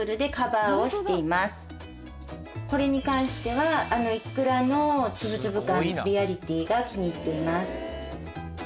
これに関してはイクラの粒々感のリアリティーが気に入っています。